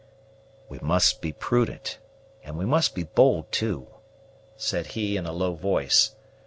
"We must be prudent, and we must be bold too," said he in a low voice.